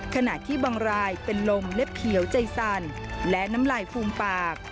ขณะที่บางรายเป็นลมเล็บเขียวใจสั่นและน้ำลายฟูมปาก